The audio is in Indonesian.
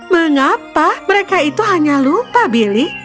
mengapa mereka itu hanya lupa billy